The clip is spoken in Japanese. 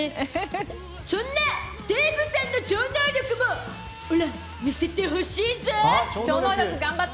そんなデーブさんの超能力もオラ、見せてほしいゾ。